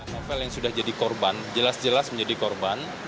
novel yang sudah jadi korban jelas jelas menjadi korban